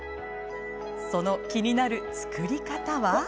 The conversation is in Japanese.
その気になる作り方は。